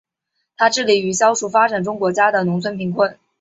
它致力于消除发展中国家的农村贫困。